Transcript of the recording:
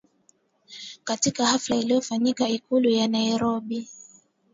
katika hafla iliyofanyika Ikulu ya Nairobi